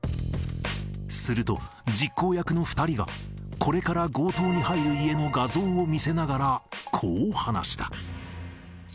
すると、実行役の２人が、これから強盗に入る家の画像を見せながら、こう話した。